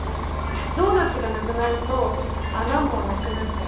ドーナツがなくなると穴もなくなっちゃう。